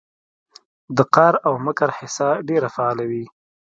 د قار او مکر حصه ډېره فعاله وي